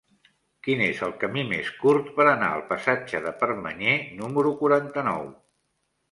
Quin és el camí més curt per anar al passatge de Permanyer número quaranta-nou?